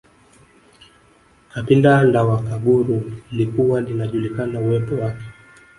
Kabila la Wakaguru lilikuwa linajulikana uwepo wake